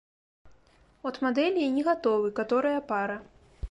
От мадэлі і не гатовы, каторая пара.